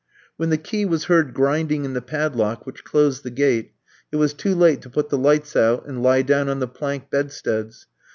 When the key was heard grinding in the padlock which closed the gate, it was too late to put the lights out and lie down on the plank bedsteads.